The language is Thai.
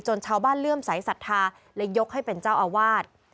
ชาวบ้านเลื่อมใสสัทธาและยกให้เป็นเจ้าอาวาส